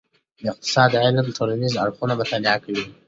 د اقتصاد علم ټولنیز اړخونه مطالعه کوي.